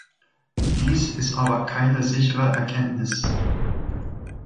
Dies ist aber keine sichere Erkenntnis.